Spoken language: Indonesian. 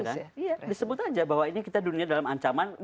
iya disebut aja bahwa ini kita dunia dalam ancaman